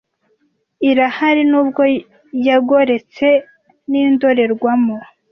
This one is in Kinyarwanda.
Irahari, nubwo yagoretse nindorerwamo.